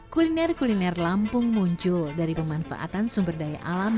kuliner kuliner lampung muncul dari pemanfaatan sumber daya alam